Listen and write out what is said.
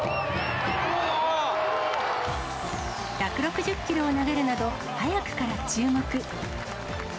１６０キロを投げるなど、早くから注目。